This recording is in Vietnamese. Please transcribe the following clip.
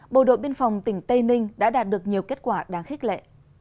bộ đội biên phòng tỉnh tây ninh đã đạt được nhiều kết quả đáng khích lệ